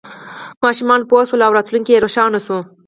ماشومان پوه شول او راتلونکی یې روښانه شو.